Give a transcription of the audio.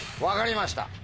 分かりました。